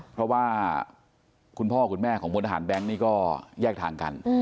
เพราะว่าคุณพ่อคุณแม่ของพลทหารแบงค์นี่ก็แยกทางกัน